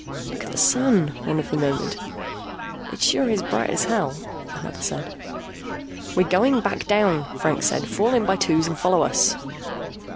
"Look at the Sun," one of them murmured. "It sure is bright as hell," another said. "We're going back down," Franks said. "Fall in by twos and follow us."